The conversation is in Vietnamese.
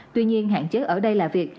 tuy nhiên hạn chế ở đây là việc